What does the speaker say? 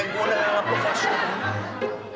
gue udah ngelap lokasinya